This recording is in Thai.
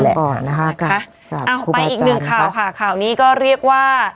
เอาไปอีกหนึ่งข่าวค่ะข่าวนี้ก็เรียกว่า